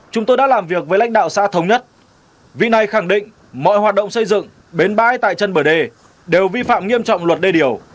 chúng tôi đã làm việc với lãnh đạo xã thống nhất vì này khẳng định mọi hoạt động xây dựng bến bãi tại chân bờ đề đều vi phạm nghiêm trọng luật đê điều